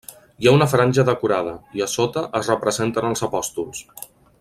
Hi ha una franja decorada i, a sota, es representen els apòstols.